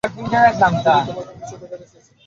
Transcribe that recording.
যদিও, তোমাকে কিছু দেখাতে চেয়েছিলাম।